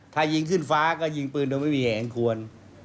ถ้ายิงขึ้นฟ้าก็ยิงปืนโดยไม่มีเหตุอันควร